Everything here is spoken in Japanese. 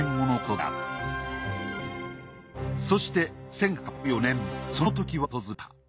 そして１８０４年そのときは訪れた。